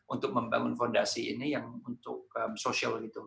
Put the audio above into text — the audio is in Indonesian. untuk membangun fondasi ini yang untuk social gitu